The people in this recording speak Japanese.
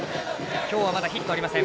今日はまだヒットありません